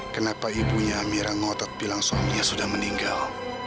kenapa ibunya mira ngotot bilang suaminya sudah meninggal